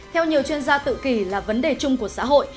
theo nhiều chuyên gia tự kỷ là vấn đề chung của xã hội